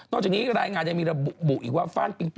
นอกจากนี้รายงานยังมีระบุอีกว่า